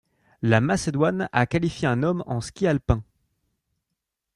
La Macédoine a qualifié un homme en ski alpin.